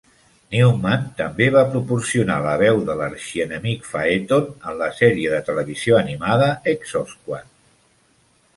Newman també va proporcionar la veu de l'arxienemic Phaeton en la sèrie de televisió animada "Exosquad".